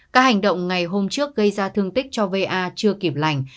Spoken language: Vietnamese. các hành động ngày hôm trước gây ra thương tích cho va chưa kịp lành